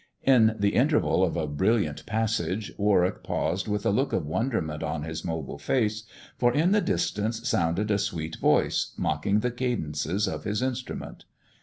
In the interval of a brilliant passage, Warwick paused with a look of wonderment on his mobile face, for in the distance sounded a sweet voice mocking the cadences of his instrument.